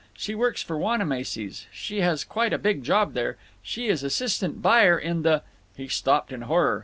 She works for Wanamacy's—she has quite a big job there. She is assistant buyer in the—" He stopped in horror.